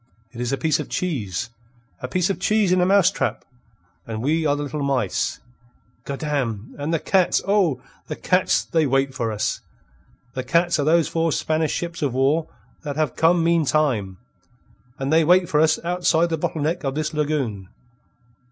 It is a piece of cheese a piece of cheese in a mousetrap, and we are the little mice. Goddam! And the cats oh, the cats they wait for us! The cats are those four Spanish ships of war that have come meantime. And they wait for us outside the bottle neck of this lagoon.